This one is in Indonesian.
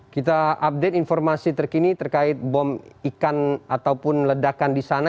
kita update informasi terkini terkait bom ikan ataupun ledakan di sana